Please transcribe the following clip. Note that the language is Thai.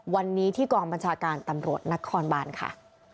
วันนี้ที่กองบัญชาการตำรวจนครบานค่ะ